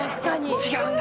違うんだ！